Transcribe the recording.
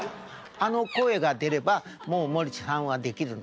あの声が出ればもう森進一さんはできるの。